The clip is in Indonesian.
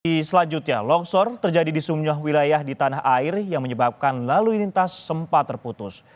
di selanjutnya longsor terjadi di semua wilayah di tanah air yang menyebabkan lalu lintas sempat terputus